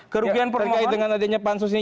kerugian terkait dengan adanya pansus ini